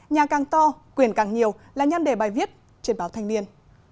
nhà càng to quyền càng nhiều là nhân đề bài viết trên báo thanh niên